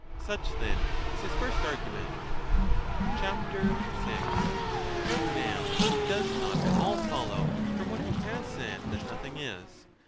Such, then, is his first argument. 6 Now it does not at all follow from what he has said that nothing is.